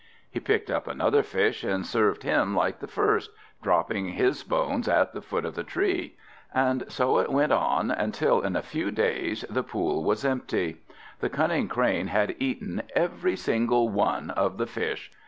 He picked up another fish, and served him like the first, dropping his bones at the foot of the tree. And so it went on, until in a few days the pool was empty. The cunning Crane had eaten every single one of the fish!